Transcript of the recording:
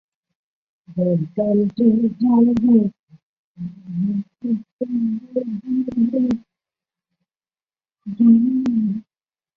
当信源是英文散文时这是正确的。